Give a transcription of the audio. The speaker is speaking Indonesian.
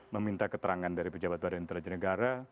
meminta keterangan dari pejabat badan intelijen negara